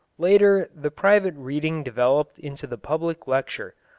Later, the private reading developed into the public lecture.